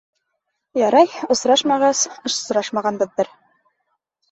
Ярай, осрашмағас, осрашмағанбыҙҙыр.